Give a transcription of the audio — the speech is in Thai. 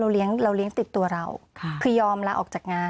เราเลี้ยงติดตัวเราคือยอมลาออกจากงาน